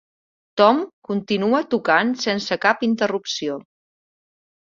Tom continua tocant sense cap interrupció.